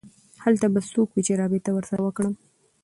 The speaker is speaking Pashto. هلته به څوک وي چې رابطه ورسره وکړم